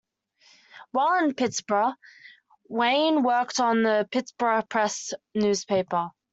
While in Pittsburgh, Wynne worked on the "Pittsburgh Press" newspaper.